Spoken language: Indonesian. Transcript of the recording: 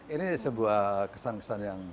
ini sebuah kesan kesan yang